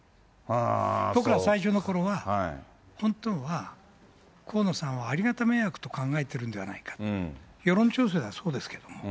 僕ら、最初のころは、本当は、河野さんはありがた迷惑と考えてるんじゃないか、世論調査ではそうですけれども。